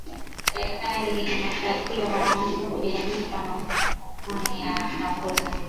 serikali inatakiwa kuyalipa makampuni ya mafuta